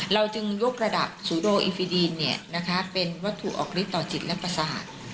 เราจึงยกระดับสูโดอิฟิดีนเป็นวัตถุออกฤทธิต่อจิตและประสาท